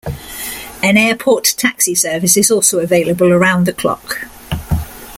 An airport taxi service is also available around the clock.